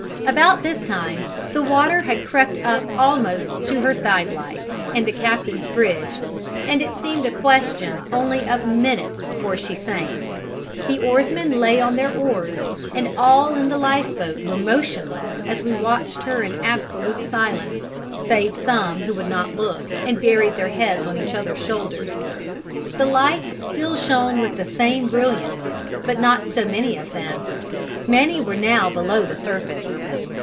About this time, the water had crept up almost to her sidelight and the captain's bridge, and it seemed a question only of minutes before she sank. The oarsmen lay on their oars, and all in the lifeboat were motionless as we watched her in absolute silence save some who would not look and buried their heads on each others' shoulders. The lights still shone with the same brilliance, but not so many of them: many were now below the surface.